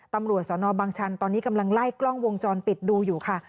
ตำรวจสนบังชันตอนนี้กำลังไล่กล้องวงจรปิดดูอยู่ค่ะ